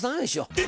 えっ！